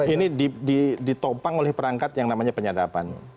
ini ditopang oleh perangkat yang namanya penyadapan